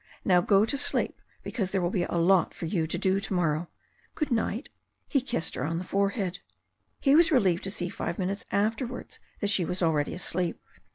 Now go to sleep, because there will be a lot for you to do to morrow. Good night." He kissed her on the forehead. He was relieved to see five minutes afterwards that she was already asleep.